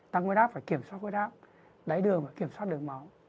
tăng gói đáp phải kiểm soát gói đáp đáy đường phải kiểm soát đường máu